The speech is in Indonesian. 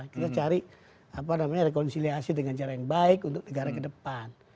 kita cari rekonsiliasi dengan cara yang baik untuk negara ke depan